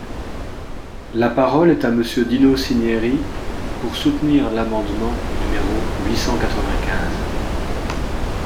La parole est à Monsieur Dino Cinieri, pour soutenir l’amendement numéro huit cent quatre-vingt-quinze.